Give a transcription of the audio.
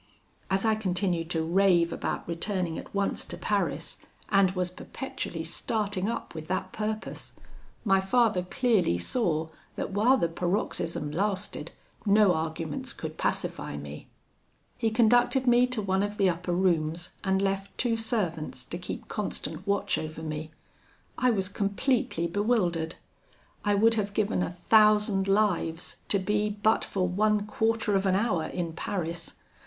"As I continued to rave about returning at once to Paris, and was perpetually starting up with that purpose, my father clearly saw that while the paroxysm lasted, no arguments could pacify me. He conducted me to one of the upper rooms, and left two servants to keep constant watch over me. I was completely bewildered. I would have given a thousand lives to be but for one quarter of an hour in Paris.